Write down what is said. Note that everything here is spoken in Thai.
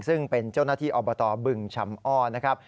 ซึ่งเป็นเจ้าหน้าที่อบตบึงชำอ้อนะครับ